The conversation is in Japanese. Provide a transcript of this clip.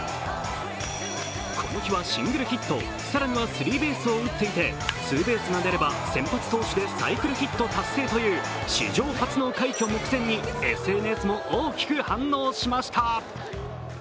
この日はシングルヒット、更にはスリーベースも打っていてツーベースが出れば先発投手でサイクルヒット達成という史上初の快挙目前にＳＮＳも大きく反応しました。